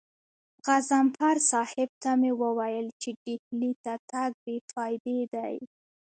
غضنفر صاحب ته مې وويل چې ډهلي ته تګ بې فايدې دی.